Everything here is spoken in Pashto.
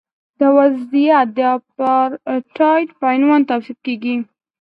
دا وضعیت د اپارټایډ په عنوان توصیف کیږي.